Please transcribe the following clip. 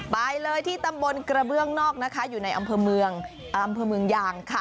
ไปเลยที่ตำบลกระเบื้องนอกนะคะอยู่ในอำเภอเมืองอำเภอเมืองยางค่ะ